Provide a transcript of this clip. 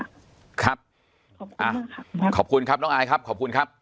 ครับขอบคุณมากค่ะขอบคุณครับน้องอายครับ